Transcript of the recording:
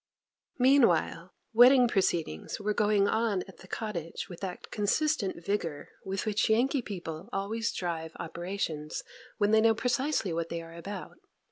MEANWHILE wedding proceedings were going on at the cottage with that consistent vigour with which Yankee people always drive operations when they know precisely what they are about.